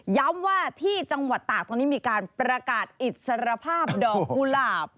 ย้ำว่าที่จังหวัดตากตอนนี้มีการประกาศอิสรภาพดอกกุหลาบ